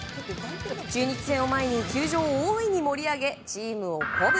中日戦を前に球場を大いに盛り上げチームを鼓舞。